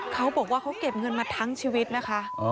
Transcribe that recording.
เขาบอกว่าเขาเก็บเงินมาทั้งชีวิตนะคะ